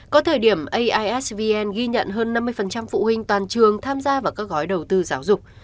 có thời điểm aisvn ghi nhận hơn năm mươi phụ huynh toàn trường tham gia vào các gói đầu tư giáo dục